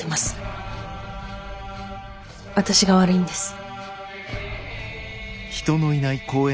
私が悪いんです。